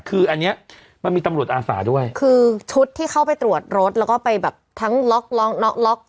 คืออันเนี้ยมันมีตำรวจอาสาด้วยคือชุดที่เข้าไปตรวจรถแล้วก็ไปแบบทั้งล็อกล็อกล็อก